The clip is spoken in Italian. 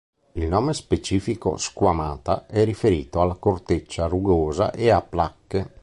Il nome specifico "squamata" è riferito alla corteccia rugosa e a placche.